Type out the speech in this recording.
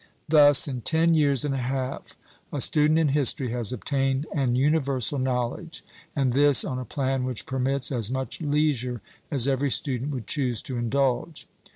Thus, in ten years and a half, a student in history has obtained an universal knowledge, and this on a plan which permits as much leisure as every student would choose to indulge.